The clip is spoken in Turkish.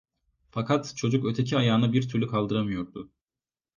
Fakat çocuk öteki ayağını bir türlü kaldıramıyordu.